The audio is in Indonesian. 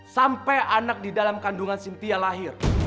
sampai anak di dalam kandungan cynthia lahir